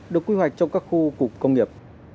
được quy hoạch trong các khu cục công nghiệp